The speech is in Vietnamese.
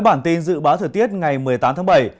bản tin dự báo thời tiết ngày một mươi tám tháng bảy